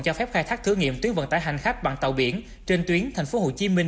cho phép khai thác thử nghiệm tuyến vận tải hành khách bằng tàu biển trên tuyến tp hcm